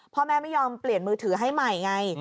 พ่อแม่ไม่ยอมเปลี่ยนมือถือให้ใหม่ไง